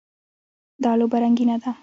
دا لوبه رنګینه ده.